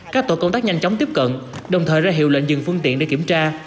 các tổ công tác nhanh chóng tiếp cận đồng thời ra hiệu lệnh dừng phương tiện để kiểm tra